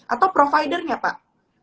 atau providernya pak